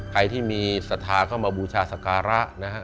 ใครที่มีสัทธาเข้ามาบูชาสการะ